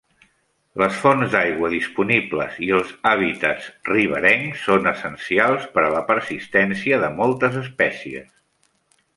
Les fonts d'aigua disponibles i els hàbitats riberencs són essencials per a la persistència de moltes espècies.